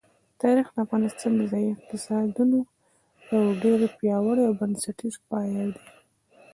تاریخ د افغانستان د ځایي اقتصادونو یو ډېر پیاوړی او بنسټیز پایایه دی.